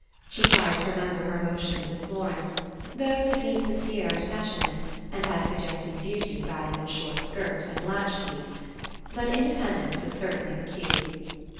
She tried to remember her emotions in Florence: those had been sincere and passionate, and had suggested beauty rather than short skirts and latch keys. But independence was certainly her cue.